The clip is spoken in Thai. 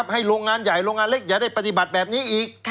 โรงงานใหญ่โรงงานเล็กอย่าได้ปฏิบัติแบบนี้อีก